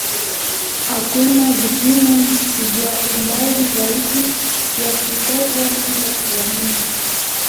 Hakuna vipimo vya umbali zaidi ya kutaja muda wa mwendo.